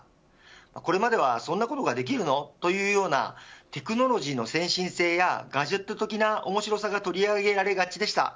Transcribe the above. これまではそんなことができるのというようなテクノロジーの先進性やガジェット的な面白さが取り上げられがちでした。